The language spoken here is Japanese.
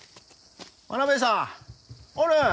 真鍋さんおるん？